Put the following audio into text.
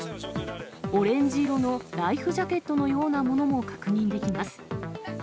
オレンジ色のライフジャケットのようなものも確認できます。